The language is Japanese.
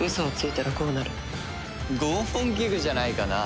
拷問器具じゃないかな？